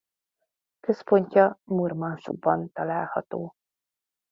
Központja Murmanszkban található.